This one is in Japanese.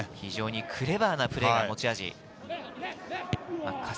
クレバーなプレーが持ち味。